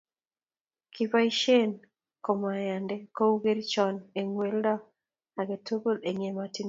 kiboisien kumyande kou kerichon eng' weldo ake eng' emotinwek